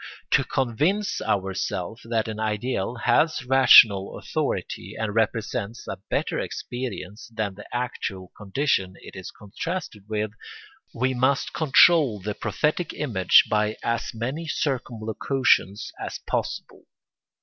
To convince ourselves that an ideal has rational authority and represents a better experience than the actual condition it is contrasted with, we must control the prophetic image by as many circumlocutions as possible.